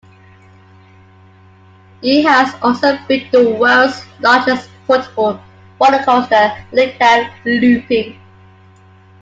He has also built the world's largest portable roller coaster, Olympia Looping.